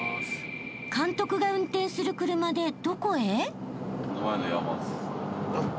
［監督が運転する車でどこへ？］